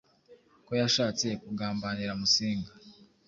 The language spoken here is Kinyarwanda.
ko yashatse kugambanira Musinga.